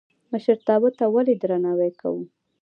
مشرتابه ته ولې درناوی کوو؟